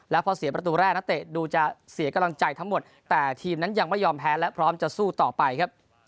แล้วพอเสียประตูแรกนักเตะดูจะเสียกำลังใจทั้งหมดแต่ทีมนั้นยังไม่ยอมแพ้และพร้อมจะสู้ต่อไปครับ